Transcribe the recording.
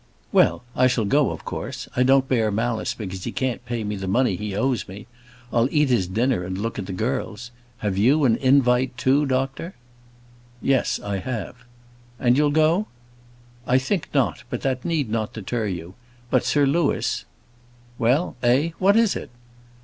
"Well; I shall go, of course. I don't bear malice because he can't pay me the money he owes me. I'll eat his dinner, and look at the girls. Have you an invite too, doctor?" "Yes; I have." "And you'll go?" "I think not; but that need not deter you. But, Sir Louis " "Well! eh! what is it?"